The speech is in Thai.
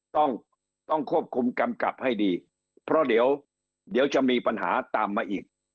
ต้องต้องควบคุมกำกับให้ดีเพราะเดี๋ยวจะมีปัญหาตามมาอีก